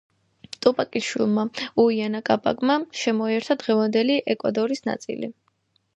ტუპაკის შვილმა უაინა კაპაკმა შემოიერთა დღევანდელი ეკვადორის ნაწილი.